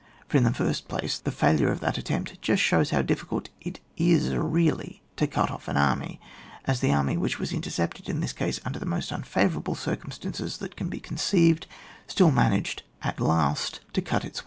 For in the first place, the failure of that attempt just shows how difficult it is really to cut off an army, as the army which was inter cepted in this case under the most unfa vourable circumstances that can be con ceived, still managed at last to cut its 86 ON WAR.